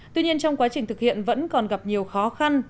tuy nhiên trong quá trình thực hiện vẫn còn gặp nhiều khó khăn